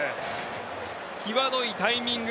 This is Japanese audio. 際どいタイミング。